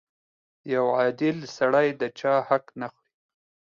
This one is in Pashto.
• یو عادل سړی د چا حق نه خوري.